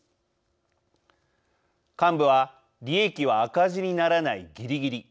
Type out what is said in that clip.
幹部は「利益は赤字にならないギリギリ。